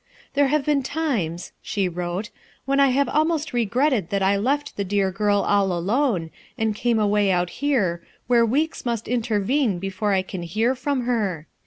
"There have been times," she wrote, "when I have almost regretted that I left the dear girt all alone and came away out here where weeks must intervene before I can hear from her.